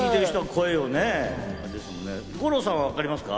五郎さんは分かりますか？